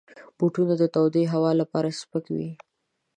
بوټونه د تودې هوا لپاره سپک وي.